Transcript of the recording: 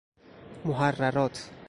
محررات